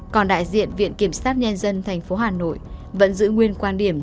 còn đại diện viện kiểm sát nhân dân tp hà nội vẫn giữ nguyên quan điểm